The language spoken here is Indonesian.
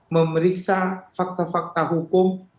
memeriksa fakta fakta hukum